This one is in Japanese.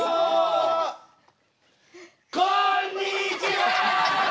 こんにちは！